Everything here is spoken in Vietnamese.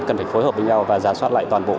cần phải phối hợp với nhau và giả soát lại toàn bộ